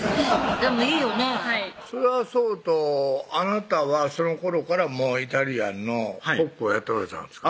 でもいいよねぇそれはそうとあなたはそのころからイタリアンのコックをやっておられたんですか？